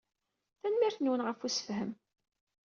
Tanemmirt-nwen ɣef ussefhem.